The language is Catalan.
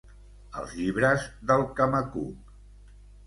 Els llibres del Camacuc.